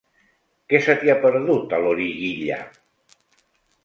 Què se t'hi ha perdut, a Loriguilla?